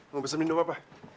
mau pesan minuman apa